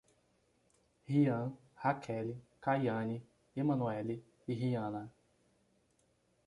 Riam, Raquele, Kaiane, Emanuely e Riana